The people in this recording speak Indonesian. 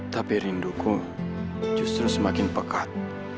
tapi rinduku justru semakin pekat